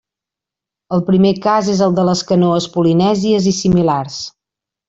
El primer cas és el de les canoes polinèsies i similars.